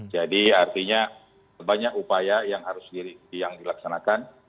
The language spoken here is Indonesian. jadi artinya banyak upaya yang harus dilaksanakan